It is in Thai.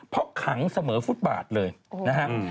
เพราะขังเสมอฟุตบาทเลยนะครับ